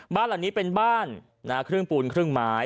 บ้านหลังนี้เป็นบ้านครึ่งปูนครึ่งไม้